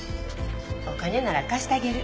お金なら貸してあげる。